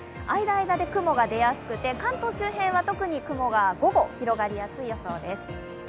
間、間で雲が出やすくて関東では午後、雲が広がりやすい予想です。